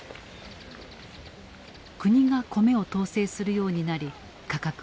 国が米を統制するようになり価格は下落。